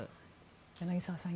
柳澤さん